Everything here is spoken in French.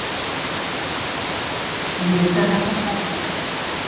Elle ne sera pas classée.